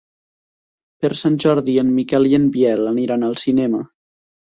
Per Sant Jordi en Miquel i en Biel aniran al cinema.